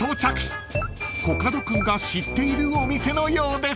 ［コカド君が知っているお店のようです］